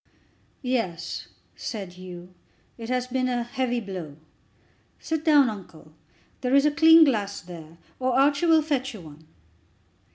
"Yes," said Hugh, "it has been a heavy blow. Sit down, uncle. There is a clean glass there; or Archie will fetch you one."